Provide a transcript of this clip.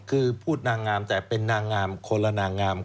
คือพูดนางงามแต่เป็นนางงามคนละนางงาม